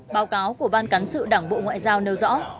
báo cáo của ban cán sự đảng bộ ngoại giao nêu rõ